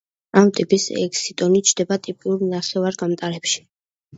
ამ ტიპის ექსიტონი ჩნდება ტიპიურ ნახევარგამტარებში.